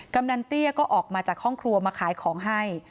กำนันเตี้ยก็ออกมาจากห้องครัวมาขายของให้